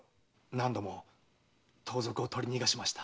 何度も盗賊を取り逃がしました。